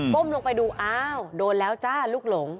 ้มลงไปดูอ้าวโดนแล้วจ้าลูกหลง